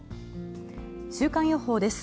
週間予報です。